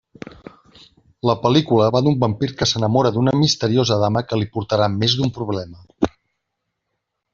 La pel·lícula va d'un vampir que s'enamora d'una misteriosa dama que li portarà més d'un problema.